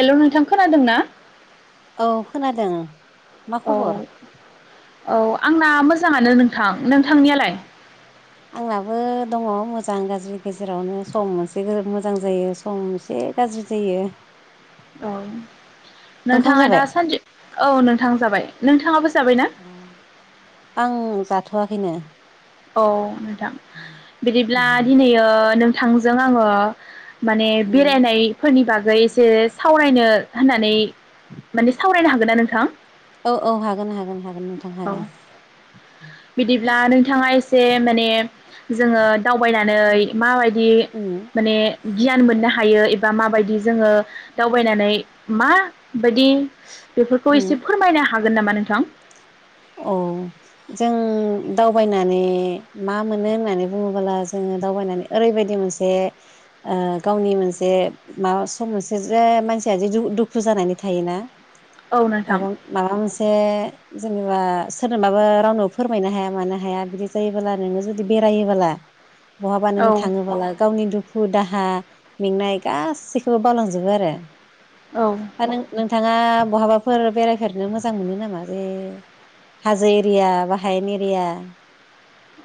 Hello नोंथां खोनादों ना? औ खोनादों। मा औ खबर औ आंना मोजाङानो नोंथां नोंथांनियालाय? आंनाबो दङ मोजां गाज्रि गेजेरावनो सम मोनसे मोजां जायो सम एसे गाज्रि जायो औ ओंखाम नोंथाङा जाबाय दासानदि औ नोंथां जाबाय। नोंथाङाबो जाबाय ना? अ आं जाथ' थ'वाखैनो। औ नोथां बिदिब्ला उम दिनैयो ओ नों थांजों आङो माने बेरायनायफोरनि बाग फ्राय एसे सावरायनो होननानै माने सावरायनो हागोन ना नोंथां? औ औ हागोन हागोन हागोन नोंथां औ हागोन। बिदिब्ला नोंथाङा एसे माने जोङो दावबायनानै माबायदि उम माने गियान मोननो हायो एबा माबायदि जोङो दावबायनानै मा बादि बेफोरखौ उम एसे फोरमायनो हाग हागोन नामा नोंथां? औ जों दावबायनानै मा मोनो होननानै बुङोबोला जोङो दावबायनानै ओरैबायदि मोनसे ओ गावनि मोनसे माबा सम मोनसे जे मानसिया जि दुखु जानानै थायोना औ नोंथां माबा माबा मोनसे जेनेबा सोरनोबाबो रावनो फोरमायनो हाया मानो हाया बिदि जायोबोब्ला नोङो जुदि बेरायोबोला बहाबा औ नोङो थाङोबोला गावनि दुखु दाहा मेंनाय गासैखौबो बावलांजोबो आरो। औ औ दा नों-नोंथाङा बहाबाफोर बेरायफेरनो मोजां मोनो नामा? जे हाजो एरिया बा हायेन एरिया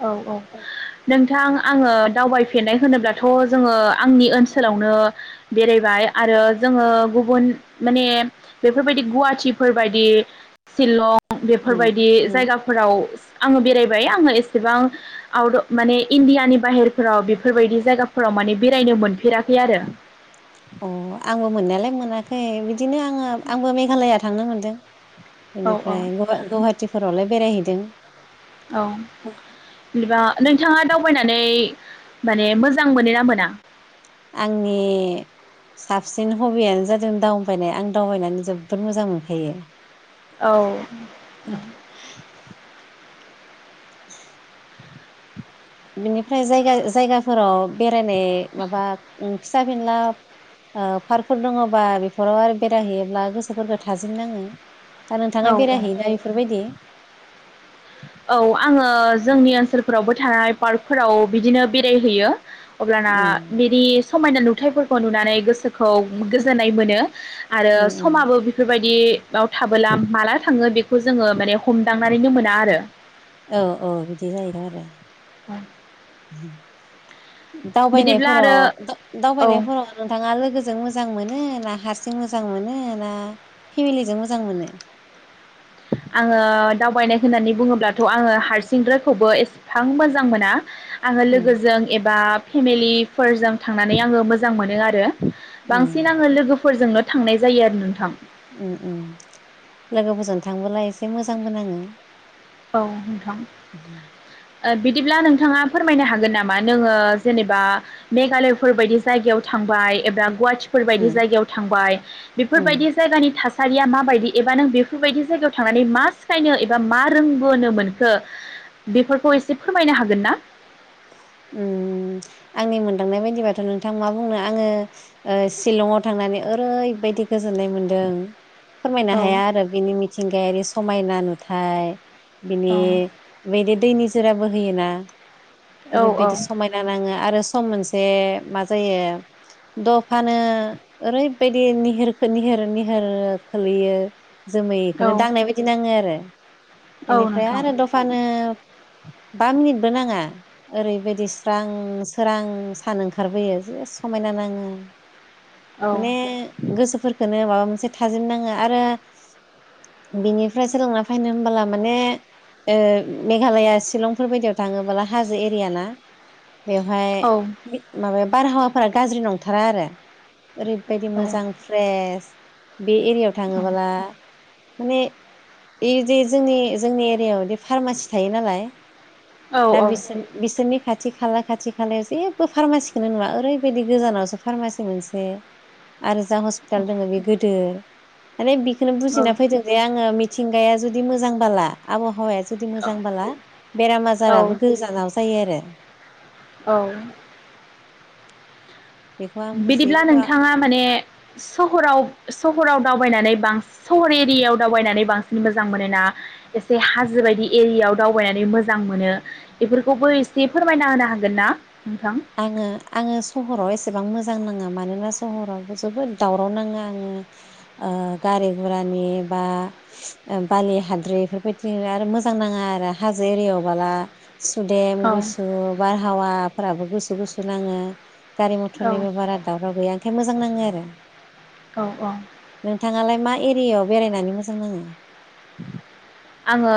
औ औ नोंथां आङो दावबायफेरनाय होनोब्लाथ' जोङो आंनि ओनसोलावनो बेरायबाय आरो जोङो गुबुन माने बेफोरबायदि गुवाहाटिफोरबायदि शिलं उम बेफोरबायदि उम जायगाफोराव आङो बेरायबाय आङो एस एसेबां आउट माने इण्डियानि बाहेरफोराव बेफोरबायदि जायगाफोराव माने बेरायनो मोनफेरा अह आंबो मोननायालाय मोनाखै बिदि बिदिनो आङो आंबो मेघाल'या थांनो मोनदों। औ औ बेनिफ्राय गुवाहाटिफोरावलाय बेरायहै दों। औ बिदिबा नोंथाङा दावबायनानै माने मोजां मोनोना मोना? आंनि साबसिन हबियानो जादों दावबायनाय आं दावबायनानै जोबोद मोजां मोनखायो। औ थां [unintelligible] बेनिफ्राय जायगा जायगाफोराव बे फ्राय ने माबाब उम फिसा फिनलाब ओ पार्कफोर दङबा बेफोराव आरो बेराय हैैयोब्ला गोसोफोरखौ थाजिम नाङो। दा नोंथाङा औ औ बेरायहैयोना बेफोरबायदि? औ आङो जोंनि ओनसोलफोरावबो थानाय पार्कफोराव बिदिनो बेरायहैयो। अब्लाना उम बिरिस समायना नुथायफोरखौ नुनानै गोसोखौ गोजोननाय मोनो। आरो उम उम समाबो बेफोरबायदि याव थाबोला माला थाङो बेख खौ जोङो माने हमदांनानैनो मोना आरो औ औ बिदि जायो द आरो उम [inaudible] बिदिब्ला आरो दावबायनायफोराव दा औ दावबायनायफोराव नोंथाङा लोगोजों मोजां मोनो ना? हारसिं मोजां मोनो ना फेमिलिजों मोजां मोनो? आङो दावबायनाय होननानै बुङोब्लाथ' आङो हारसिंद्रायखौबो एसां मोजां मोना। आङो उम लोगोजों एबाब फेमिलिफोरजों थांनानै आङो मोजां मोनो आरो उम बांसिन आङो लोगोफोरजोंनो थांनाय जायो आरो नोंथां। उम उम लोगोफोरजों थांबोला एसे मोजांबो नाङो। औ नोंथां। ओ बिदिब्ला नोंथाङा फोरमायनो हागोन नामा नोङो जेनेबा मेघालयफोरबायदि जायगायाव थांबाय एबा गुवाहाट फोरबायदि उम जायगायाव थांबाय उम बेफोरबायदि जायगानि थास सारिया माबायदि एबा नों बेफोरबायदि जायगायाव थांनानै मा सिखायनो एबा मा? फोरोंबोनो मोनखो बेफोरखौ एसे फोरमायनो हागोन ना? उम आंनि मोनदांनाय बायदिबाथ' नोंथां मा बुंनो आङो ओ सिलंआव थांनानै ओरैबायदि गोजोननाय मोनदों। फोरमायनो औ हाया आरो बिनि मिथिंगायारि स समायना नुथाय। बिनि औ बेदि दैनिस जोरा बोहोयोना। ओरैबायदि औ समायना नाङो आरो सम मोनसे। मा जायो दफानो ओरैबायदि निहोरखो निहोर-निहोर खोलैयो। औ जोमैखौनो दांनाय बायदि नाङो आरो औ इनिफ्राय नोंथां आरो दफानो बा मिनिटबो नाङा। ओरैबायदि स्रां सोरां सान ओंखारबोयो जे समायना नाङो। औ माने गोसोफोर। खोनो माबा मोनसे थाजिम नाङो आरो बिनिफ्राय सोलोंना फैनो होमबाला माने ओ-मेघालया सिलंफोर बायदियाव थाङोब्ला हाजो एरिया ना। बेवहाय औ माबाया बारहावा फोरफोरा गाज्रि नंथारा आरो। ओरैबायदि औ मोजां फ्रेस। बे एरियाव थाङोबोला। माने ऐ जे जोंनि-जोंनि एरियाआवदि फारमासि थायो नालाय। दा औ बिसोर-बिसोरनि खाथि खाला खाथि खालायाव जेबो फार्मासिखौनो नुवा ओरैबायदि गोजानावसो फार्मासि मोनसे आरो जा हस्पिटाल दोङो बे गोदो माने बेखौनो बुजिना फैदों जे आङो मिथिंगाया जुदि मोजांबाला आबहावाया जुदि मोजां बाला बेराम औ आजाराबो गोजानाव जायो आरो औ औ बेखौ आं बुजियो बिदिब्ला खिन्थु नोंथाङा माने सहराव-सहराव दावबायनानै बांस सहर एरियायाव दावबायनानै बांसिन मोजां मोनो ना एसे हाजो बायदि एरियायाव दावबायनानै मोजां मोनो बेफोरखौबो एसे फोरमायना होनो हागोन ना? नोंथां? आङो-आङो सहराव एसेबां मोज मोजां नाङा मानोना सहराव जोबोद दावराव नाङो आङो ओ गारि घुरानि बा बालि हाद्रि बेफोरबायदि आरो मोजां नाङा आरो हाजो एरियायाव बाला सुदेम औ गुसु बारहावा फोराबो गुस गुसु नाङो। गारि औ मथरनिबो बारा दावराव गैया ओंखाय मोज जां नांङो आरो औ-औ नोंथाङालाय मा एरियायाव बेरायनानै मोजां नाङो? आङो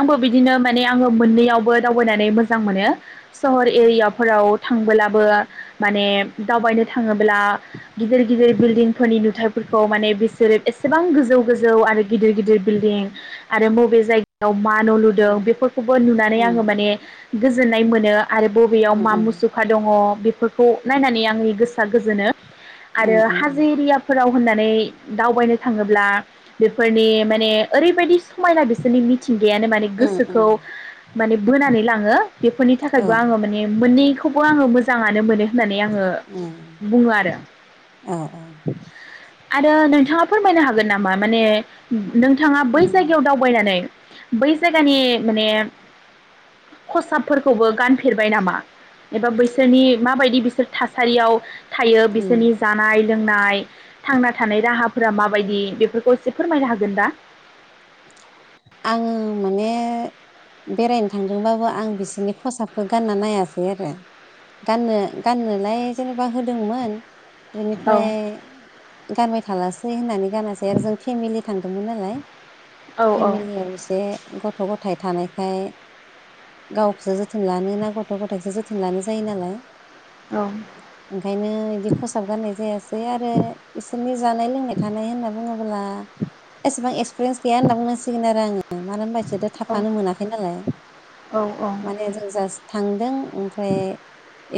आंबो बिदिनो माने आङो मोननैयावबो दावबायनानै मोजां मोनो। सहर एरियाफोराव थांबोला ओ माने दावबायनो थाङोब्ला गिदिर गिदिर बिल्डिंफोरनि नुथाइफोरखौ माने बिसोरो एसेबां गोजौ गोजौ आरो गिदिर गिदिर बिल्डिं आरो बबे जाय मा न' लुदों बेफोरखौबो नुनानै आङो माने गोजोननाय मोनो। आरो बबेयाव मा मुसुखा दङ बेफोरखौ नायनानै आंनि गोसोआ गोजोनो। आरो हाजो एरियाफोराव होननानै दावबायनो थाङोब्ला बेफोरनि माने ओरैबादि समायना बिसोरनि मिथिंगायानो माने गोसोखौ माने बोनानै लाङो बेफोरनि थाखायबो आङो माने मोननैखौबो आङो मोजाङानो मोनो होननानै आङो बुङो आरो। आरो नोंथाङा फोरमायनो हागोन नामा माने नोंथाङा बै जायगायाव दावबायनानै बै जायगानि माने खसाबफोरखौबो गानफेरबाय नामा एबा बैसोरनि माबायदि बिसोर थासारियाव थायो बिसोरनि जानाय लोंनाय थांना थानाय राहाफोरा माबायदि बेफोरखौ एसे फोरमायनो हागोन दा आङो माने बेरायनो थांदोंबाबो आं बिसोरनि खसाबखौ गानना नायासै आरो गाननो गाननोलाय जेनेबा होदोंमोन औ बेनिफ्राय गानबाय थालासै होननानै गानासै आरो जों फेमिलि थांदोंमोन नालाय औ औ फेमलियाव एसे गथ गथाय थानायखाय गावखौसो जोथोन लानो ना गथ गथायखौसो जोथोन लानो जायो नालाय औ ओंखायनो इदि कसाब गारनाय जायासै आरो बिसोरनि जानाय लोंनाय थानाय होनना बुङोब्ला एसेबां एक्सपिरियेन्स गैया होना बुंनांसिगोन आरो आङो मानो होनबा [unintelligible] थाफानो औ मोनाखै नालाय औ माने जों जास थांदों ओमफ्राय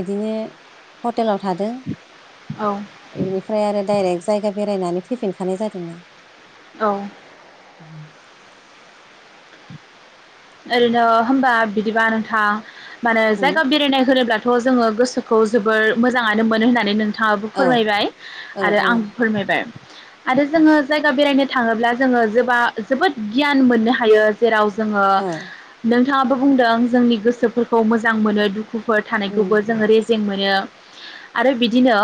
इदिनो हटेलाव थादों औ एनिफ्राय आरो डायरेक्ट जायगा बेरायनानै फैफिनखानाय जादोंना औ [inaudible] ओरैनो होनबा बिदिबा नोंथां मानो उम जायगा बेरायनाय होनोब्ला थ जोङो गोसोखौ जोबोर मोजाङानो मोनो होननानै नों थाङाबो औ फोरमायबाय औ आरो औ आंबो फोरमायबाय आरो जोङो जायगा बेरायनो थाङोब्ला जोङो जोबा जोबोद गियान मोननो हायो जेराव जोङो औ नोंथाङाबो बुंदों जोंनि गोसोफोरखौ मोजां मोनो दुखु दुखुफोर उम थानायखौबो जोङो रेजें मोनो [unintelligible] आरो बिदिनो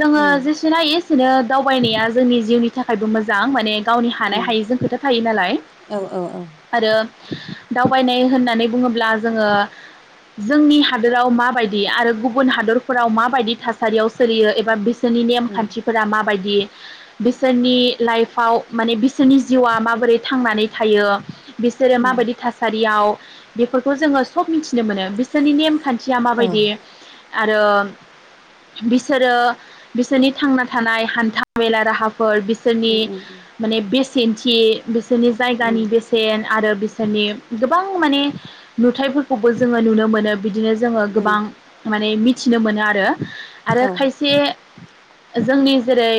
जोङो उम जेसेना एसेनो दावबायनाया जोंनि जिउनि थाखायबो मोजां माने गावनि हानाय उम हायैजों खोथा थायो नालाय औ औ औ आरो दावबायनाय होननानै बुङोब्ला जोङो जोंनि हादोराव माबायदि आरो गुबुन हादरफोराव माबायदि थासारियाव सोलियो एबा बिसोरनि उम नेमखान्थिफोरा माबायदि बिसोरनि लाइफआव माने बिसोरनि जिउआ माबोरै थांनानै थायो। जेरै उम माबायदि थासारियाव बेफोरखौ जोङो सब मिथि थिनो मोनो बिसोरनि नेमखान्थिया औ माबायदि आरो बिसोरो बिसोरनि थांना थानाय हान्था मेला राहा फोर बिसोरनि उम उम माने बेस [unintelligible] बिसोरनि उम जायगानि बेसेन आरो बिसोरनि गोबां माने नुथायफोरखौबो जोङो नुनो मोनो बिदिनो जोङो उम गोबां माने [inaudible] फिनो मोनो आरो आरो औ खायसे जोंनि जेरै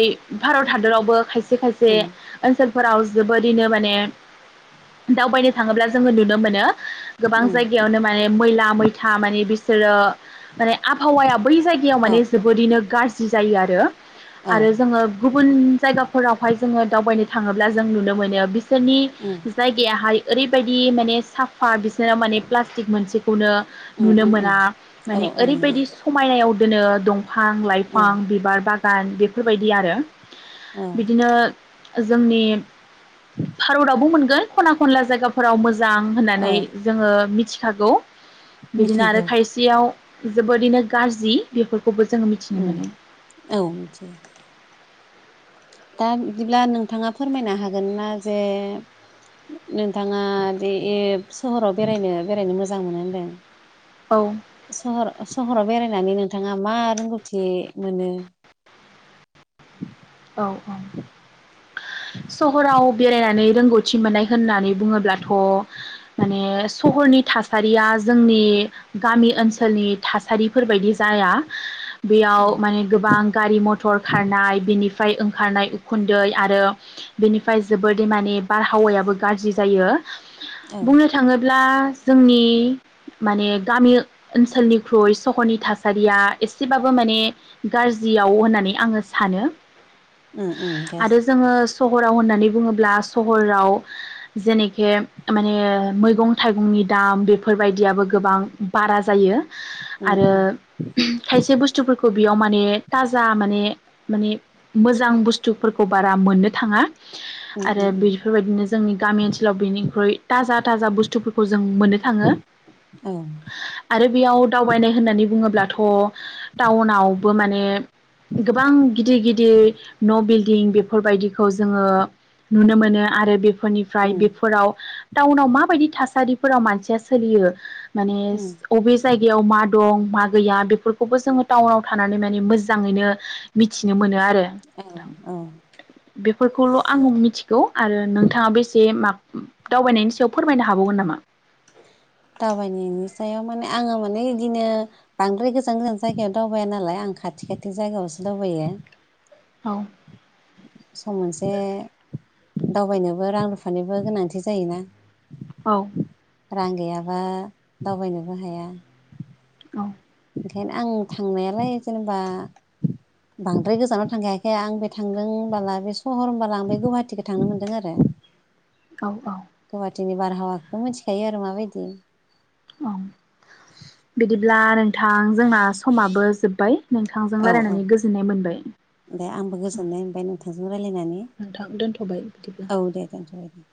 भारत हादरावबो खायसे खायसे उम ओनसोल फोराव जोबोरैनो माने दावबायनो थाङोब्ला जोङो नुनो मोनो गोबां उम जायगायावनो माने मैला मैथा माने बिसोरो माने आबहावाया बै जायगायाव माने औ जोबोरैनो गाज्रि [unintelligible] जायो आरो औ आरो जोङो गुबुन जायगाफोरावहाय जोङो दावबायनो थाङोब्ला जों नुनो मोनो बि सोरनि उम जाय गाया ओरैबायदि माने साफा बिसोराव माने प्लास्टिक मोनसे [unintelligible] उम नुनो उम उम मोना औ माने औ नङा ओरैबायदि समायनायाव बिदिनो दं फां औ लाइफां बिबार बा गान बेफोरबायदि आरो औ बिदिनो जोंनि भारतावबो मोनगोन खना खनला जगाफोराव मोजां मोजां औ होननानै जोङो मिथि थागौ। बिदिनो आरो मिथिगौ खायसेयाव जोबोरैनो गाज्रि बे खौबो जोङो मिथिनो उम मोनो। औ मिथियो दा बिदिब्ला नोंथाङा फोरमायनो हागोन ना जे नोंथाङा बे सहराव बेरायनो बेरायनो मोजां मोनो होनदों औ सहर सहराव बेराय नानै नोंथाङा मा रोंगौथि मोनो? औ औ सहराव बेरायनानै रोंगौथि मोननाय होननानै बुङोब्लाथ' माने सहरनि थासारिया जोंनि गामि ओनसोलनि थासारिफोरबायदि जाया बेयाव माने गोबां गारि मथर खारनाय बेनि फ्राय ओंखारनाय उखुन्दै आरो बेनिफ्राय जोबोदै माने बारहावायाबो गाज्रि जायो। औ बुंनो थाङोब्ला जोंनि माने गामि ओनसोलनिख्रुइ सहरनि थासारिया एसेबाबो माने गाज्रियाव होननानै आङो सानो। ओम-ओम गाज्रि हराव होननानै बुङोब्ला सहराव जेेनखे माने मैगं थाइगंनि दाम बेफोरबायदियाबो गोबां बारा जायो। उम आरो उम खायसे बुस्थुफोरखौ बेयाव माने थाजा माने माने मोजां बुस्थुफोरखौ बारा मोननो थाङा। उम आरो उम उम बेफोरबायदिनो जोंनि गामि ओनसोलाव बेनिख्रुइ थाजा थाजा बुस्थुफोरखौ जों मोननो थाङो औ आरो बेयाव दावबायनाय होननानै बुङोब्लाथ' टाउनाव बो माने गोबां गिदिर गिद दिर न' बिल्डिं बेफोरबायदिखौ जोङो नुनो मोनो आरो बेफोरनिफ्राय उम बेफोराव टाउनाव माबायदि थासा सारिफोराव मानसिया सोलियो मानेस उम अबे जायगायाव मा दं मा गैया बेफोरखौबो जोङो टाउनाव थानानै माने मोजाङैनो मिथिनो मोनो। आरो औ औ बेफोरखौल' आं मिथिगौ आरो नोंथाङा बेसे माब दावबायनायनि सायाव फोरमायनो हाबावगोन नामा? दावबायनायनि सायाव माने आङो माने इदिनो बांद्राय गोजान गोजान जायगायाव दावबाया नालाय आं खाथि खाथि जायगायावसो दावबायो। औ सम मोनसे दावबायनोबो रां रुफानिबो गोनांथि जायोना। औ रां गैयाबा दावबायनोबो हाया। औ ओंखायनो आं थांनायालाय जेनेबा बांद्राय गोजानाव थांखायाखै आं बे थांदों होनबोला बे सहर होनबोला आं बे गुहाटिखौ थांनो मोनदों आरो। औ औ। टिनि बारहावाखौथ' मिथिखायो आरो माबायदि? औ बिदिब्ला नों थां जोंना समाबो जोब्बाय नोंथांजों औ औ रायलायनानै गोजोननाय मोनबाय। दे आंबो गोजोननाय मोनबाय नोंथांजों रायलायनानै नोंथां दोनथ'बाय बिदिब्ला। औ दे दोनथ'बाय दे।